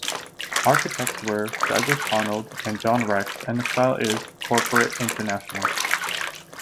Architects were Douglas Honnold and John Rex and the style is "Corporate International".